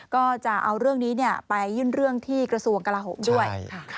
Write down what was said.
ก็จะเอาเรื่องนี้ไปยื่นเรื่องที่กระทรวงกลาโหมด้วย